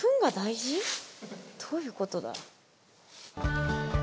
どういうことだ？